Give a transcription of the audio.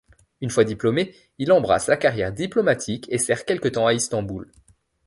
Une fois diplômé, il embrasse la carrière diplomatique et sert quelque temps à Istanbul.